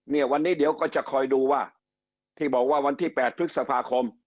เนี่ยวันนี้เดี๋ยวก็จะคอยดูว่าที่บอกว่าวันที่๘พฤษภาคม